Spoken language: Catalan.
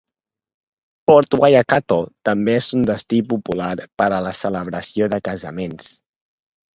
Port Waikato també és un destí popular per a la celebració de casaments